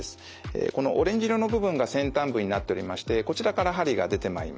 このオレンジ色の部分が先端部になっておりましてこちらから針が出てまいります。